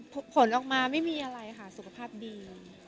ผลออกมาไม่มีอะไรค่ะสุขภาพดี